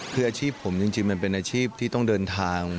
คืออาชีพผมจริงมันเป็นอาชีพที่ต้องเดินทาง